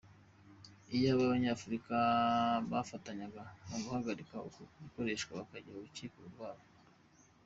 Iyaba Abanyafurika bafatanyaga mu guhagarika uko gukoreshwa bakagira urukiko rwabo.